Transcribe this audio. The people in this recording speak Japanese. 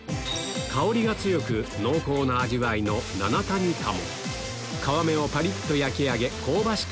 香りが強く濃厚な味わいの皮目をパリっと焼き上げ香ばしく